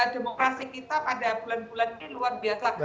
demokrasi kita pada bulan bulan ini